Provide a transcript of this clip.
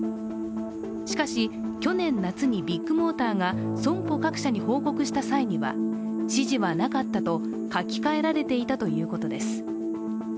しかし、去年夏にビッグモーターが損保各社に報告した際には指示はなかったと書き換えられていたということです。